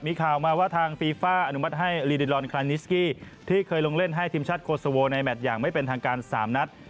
มีข่าวมาว่าทางฟีฟ่าอนุมัติให้ลีดิลอนคลานนิสกี้ที่เคยลงเล่นให้ทีมชาติโกโซโวในแมทอย่างไม่เป็นทางการ๓นัด